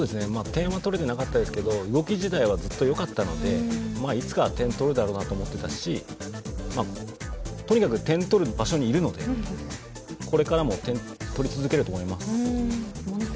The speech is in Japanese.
点は取れていなかったですけど動き自体は、ずっとよかったのでいつかは点取るだろうなと思っていたしとにかく点を取る場所にいるのでこれからも点を取り続けると思います。